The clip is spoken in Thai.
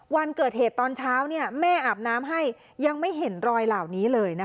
วันเกิดเหตุตอนเช้าแม่อาบน้ำให้ยังไม่เห็นรอยเหล่านี้เลยนะคะ